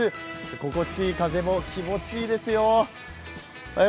心地いい風も気持ちいいですよ。